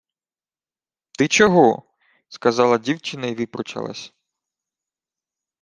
— Ти чого? — сказала дівчина й випручалась.